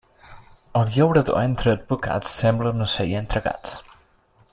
El llaurador entre advocats sembla un ocell entre gats.